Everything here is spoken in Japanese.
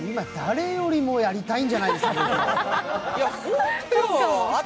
誰よりもやりたいんじゃないですかね。